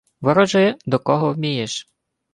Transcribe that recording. — Ворожи, до кого вмієш.